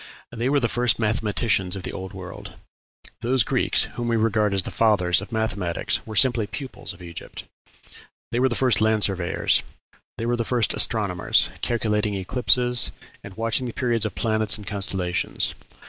They were the first mathematicians of the Old World. Those Greeks whom we regard as the fathers of mathematics were simply pupils of Egypt. They were the first land surveyors. They were the first astronomers, calculating eclipses, and watching the periods of planets and constellations.